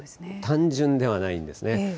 単純ではないんですね。